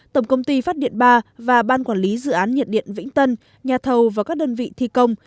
tổng công ty phát điện ba và ban quản lý dự án nhiệt điện vĩnh tân nhà thầu và các đơn vị thi công